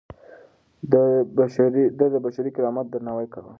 ده د بشري کرامت درناوی کاوه.